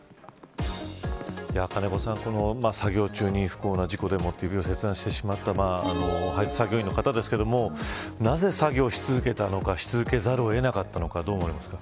金子さん作業中に不幸な事故で指を切断してしまった配達作業員の方ですがなぜ作業し続けたのかし続けざるを得なかったのかどう思いますか。